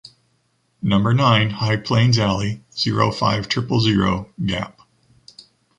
Number nine, High Plains alley, zero-five triple zero, Gap.